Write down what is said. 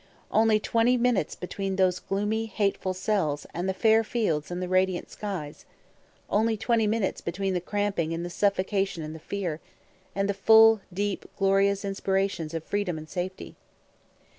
only twenty minutes between those gloomy, hateful cells and the fair fields and the radiant skies! only twenty minutes between the cramping and the suffocation and the fear, and the full, deep, glorious inspirations of freedom and safety!